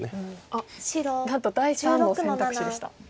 あっなんと第３の選択肢でした。